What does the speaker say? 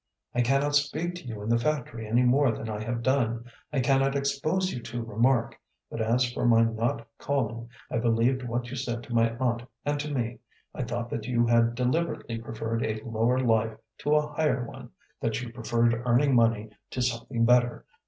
I cannot speak to you in the factory any more than I have done. I cannot expose you to remark; but as for my not calling, I believed what you said to my aunt and to me. I thought that you had deliberately preferred a lower life to a higher one that you preferred earning money to something better.